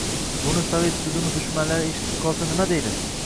Buni sovet tuzumi dushmanlari eshitib qolsa nima deydi?